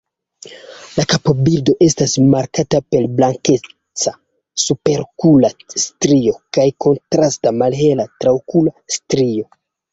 La kapobildo estas markata per blankeca superokula strio kaj kontrasta malhela traokula strio.